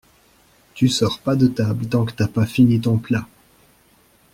Tu sors pas de table tant que t'as pas fini ton plat.